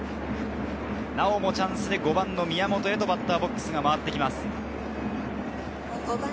なおもチャンスで５番の宮本へとバッターボックスが回ってきます。